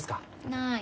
ない。